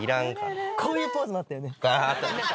こういうポーズもあったよね。